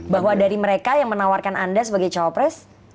bahwa dari mereka yang menawarkan anda sebagai cawapres